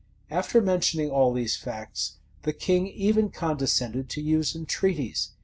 After mentioning all these facts, the king even condescended to use entreaties.